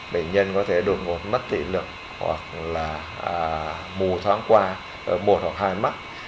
bệnh nhân có thể đột ngột mất tỷ lượng hoặc là bù thoáng qua một hoặc hai mắt